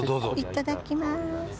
いただきます。